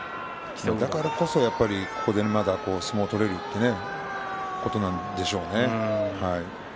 だからこそここで相撲が取れるということなんでしょうね。